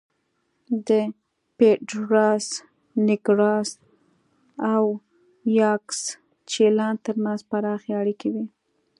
د پېډراس نېګراس او یاکسچیلان ترمنځ پراخې اړیکې وې